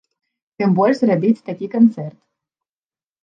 Тым больш, зрабіць такі канцэрт.